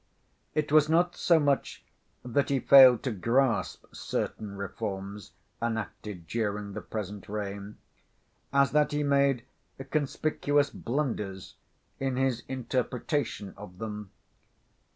It was not so much that he failed to grasp certain reforms enacted during the present reign, as that he made conspicuous blunders in his interpretation of them.